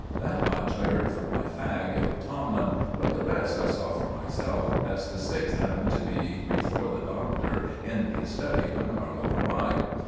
That much I heard from my fag, young Tomlin, but the rest I saw for myself, as the Sixth happened to be before the Doctor in his study when Carlo arrived.